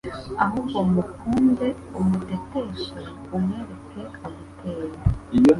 ahubwo mukunde umuteteshe umwereke aguteye